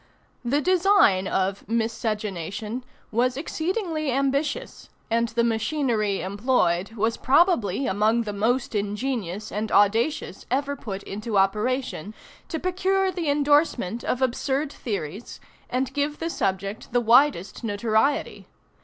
The design of "Miscegenation" was exceedingly ambitious, and the machinery employed was probably among the most ingenious and audacious ever put into operation to procure the indorsement of absurd theories, and give the subject the widest notoriety.